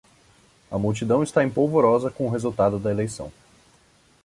A multidão está em polvorosa com o resultado da eleição